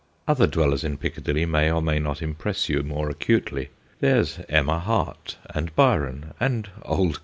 Other dwellers in Piccadilly may or may not impress you more acutely. There 's Emma Hart, and Byron, and Old Q.